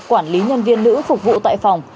quản lý nhân viên nữ phục vụ tại phòng